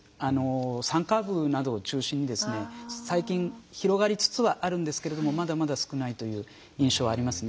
山間部などを中心にですね最近広がりつつはあるんですけれどもまだまだ少ないという印象はありますね。